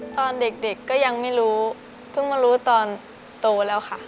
ตอนเด็กก็ยังไม่รู้เพิ่งมารู้ตอนโตแล้วค่ะ